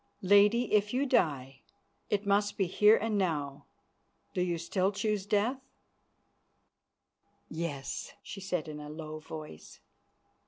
Lady, if you die, it must be here and now. Do you still choose death?" "Yes," she said in a low voice.